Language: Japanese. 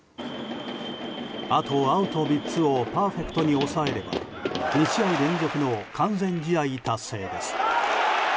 あとアウト３つをパーフェクトに抑えれば２試合連続の完全試合達成です。